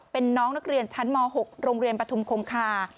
เป็นน้องนักเรียนชั้นม๖โรงเรียนปฐุมคงคา